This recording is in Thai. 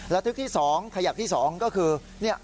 ระทึกที่สองขยักที่สองก็คือ